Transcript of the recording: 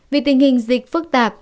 vì tình hình dịch phức tạp